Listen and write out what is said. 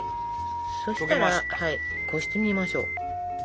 そしたらこしてみましょう。